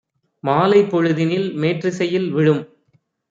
மாலைப் பொழுதினில் மேற்றிசையில் விழும்